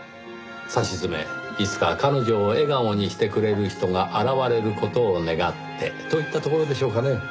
さしずめいつか彼女を笑顔にしてくれる人が現れる事を願ってといったところでしょうかね。